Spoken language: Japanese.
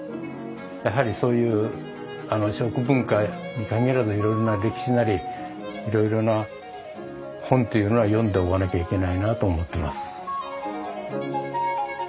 やはりそういう食文化に限らずいろいろな歴史なりいろいろな本というのは読んでおかなきゃいけないなと思ってます。